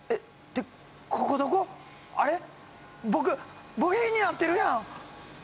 僕部品になってるやん！